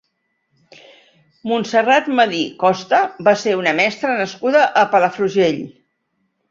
Montserrat Medir Costa va ser una mestra nascuda a Palafrugell.